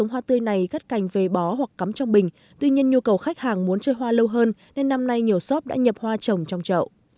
hoa tết mai có giá từ một trăm năm mươi đồng đến ba trăm linh đồng một cành